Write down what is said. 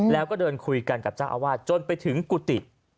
แล้วก็เดินคุยกันกับเจ้าอาวาสจนไปถึงกุฏิ